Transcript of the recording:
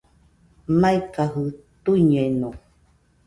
Maikajɨ tuiñeno